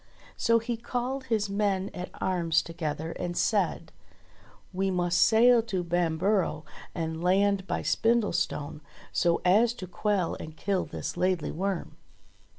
So he called his men at arms together and said : "We must sail to Bamborough and land by Spindlestone, so as to quell and kill this Laidly Worm."